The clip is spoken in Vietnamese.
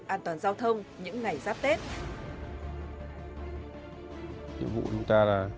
an toàn giao thông những ngày giáp tết